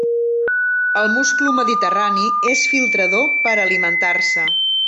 El musclo mediterrani és filtrador per alimentar-se.